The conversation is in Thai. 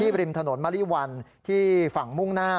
บริมถนนมะลิวันที่ฝั่งมุ่งหน้า